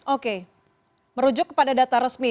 oke merujuk kepada data resmi